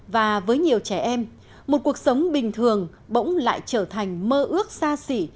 và với nhiều trẻ em một cuộc sống bình thường bỗng lại trở thành mơ ước xa xỉ